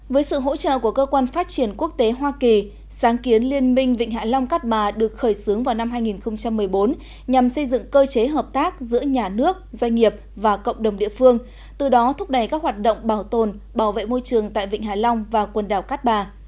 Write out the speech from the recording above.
với sự hỗ trợ của cơ quan phát triển quốc tế hoa kỳ sáng kiến liên minh vịnh hạ long cát bà được khởi xướng vào năm hai nghìn một mươi bốn nhằm xây dựng cơ chế hợp tác giữa nhà nước doanh nghiệp và cộng đồng địa phương từ đó thúc đẩy các hoạt động bảo tồn bảo vệ môi trường tại vịnh hải long và quần đảo cát bà